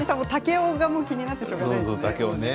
竹雄が気になってしかたないですね。